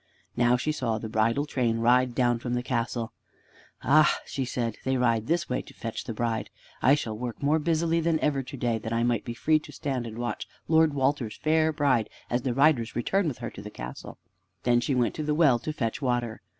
Now she saw the bridal train ride down from the castle. "Ah," she said, "they ride this way to fetch the bride. I shall work more busily than ever to day that I may be free to stand and watch Lord Walter's fair bride as the riders return with her to the castle!" Then she went to the well to fetch water.